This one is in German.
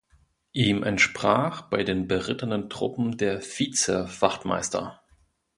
Ihm entsprach bei den berittenen Truppen der Vizewachtmeister.